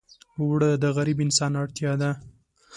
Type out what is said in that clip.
اوړه د غریب انسان اړتیا ده